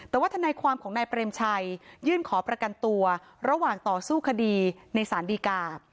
แต่ว่าทนายความของนายเปรมชัยยื่นขอประกันตัวระหว่างต่อสู้คดีในสารดีกา